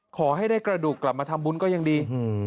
ขอให้ได้กระดูกกลับมาทำบุญก็ยังดี